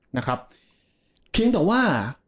นะครับเพียงแต่ว่า